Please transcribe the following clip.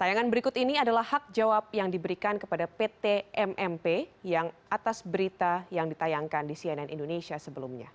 tayangan berikut ini adalah hak jawab yang diberikan kepada pt mmp yang atas berita yang ditayangkan di cnn indonesia sebelumnya